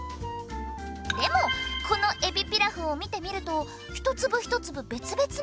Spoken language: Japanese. でもこのえびピラフを見てみると一粒一粒別々に。